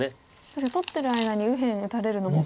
確かに取ってる間に右辺打たれるのも。